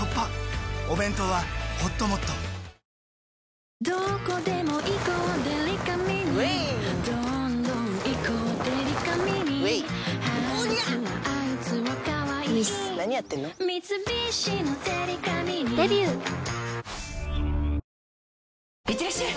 ハハハ。いってらっしゃい！